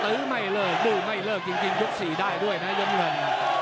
สู้ไม่เลิกยังมากจริงจุดสี่ได้ด้วยนะอาหาร